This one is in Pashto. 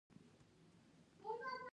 دا شمېر د اوسنیو ښارونو نفوس په پرتله کم و